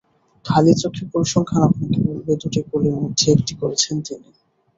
খালি চোখে পরিসংখ্যান আপনাকে বলবে দুটি গোলের মধ্যে একটি করেছেন তিনি।